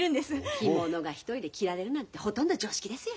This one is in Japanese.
着物が一人で着られるなんてほとんど常識ですよ。